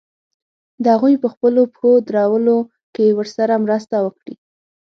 د هغوی په خپلو پښو درولو کې ورسره مرسته وکړي.